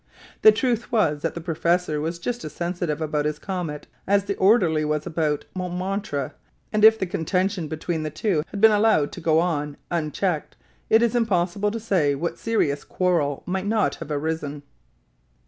The truth was that the professor was just as sensitive about his comet as the orderly was about Montmartre, and if the contention between the two had been allowed to go on unchecked, it is impossible to say what serious quarrel might not have arisen.